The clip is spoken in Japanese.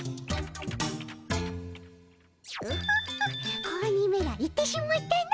オホホッ子鬼めら行ってしまったの。